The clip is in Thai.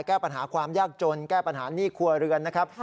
แก้ปัญหาความยากจนแก้ปัญหาหนี้ครัวเรือนนะครับ